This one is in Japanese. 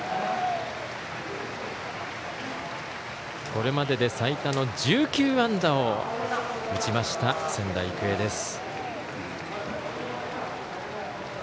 これまでで最多の１９安打を打ちました、仙台育英です。